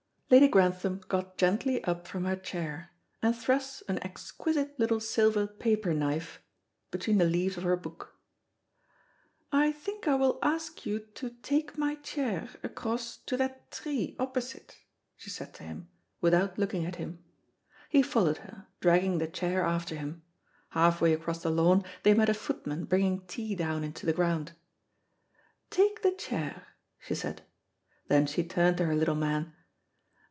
Lady Grantham got gently up from her chair, and thrust an exquisite little silver paper knife between the leaves of her book. "I think I will ask you to take my chair across to that tree opposite," she said to him, without looking at him. He followed her, dragging the chair after him. Halfway across the lawn they met a footman bringing tea down into the ground. "Take the chair," she said. Then she turned to her little man.